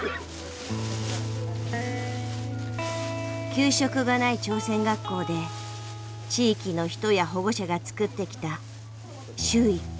給食がない朝鮮学校で地域の人や保護者が作ってきた週１回の「オモニ給食」。